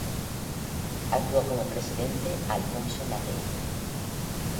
Actuó como presidente Alfonso Lapeña.